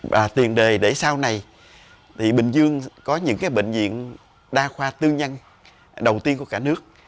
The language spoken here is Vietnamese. và tiền đề để sau này thì bình dương có những bệnh viện đa khoa tư nhân đầu tiên của cả nước